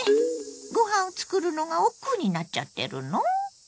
ご飯を作るのがおっくうになっちゃってるの？